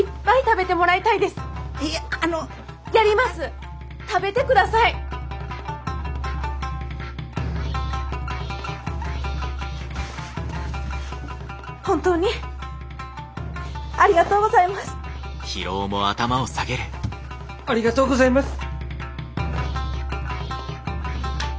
ありがとうございます。